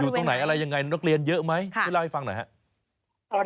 ตรงไหนอะไรยังไงนักเรียนเยอะไหมช่วยเล่าให้ฟังหน่อยครับ